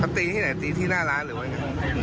เขาตีที่ไหนตีที่หน้าร้านหรือไง